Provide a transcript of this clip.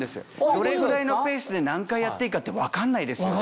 どれぐらいのペースで何回やっていいかって分かんないですよね？